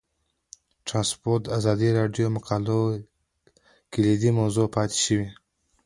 ترانسپورټ د ازادي راډیو د مقالو کلیدي موضوع پاتې شوی.